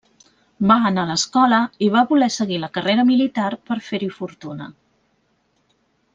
Va anar a escola i va voler seguir la carrera militar per fer-hi fortuna.